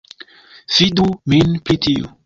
Fidu min pri tiu